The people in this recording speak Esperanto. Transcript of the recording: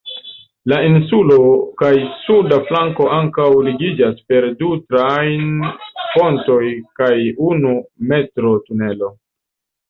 La insulo kaj suda flanko ankaŭ ligiĝas per du trajn-pontoj kaj unu metro-tunelo.